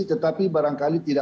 tetapi barangkali tidak